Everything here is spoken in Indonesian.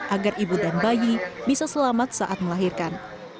agar ibu dan bayi bisa selamat saat melahirkan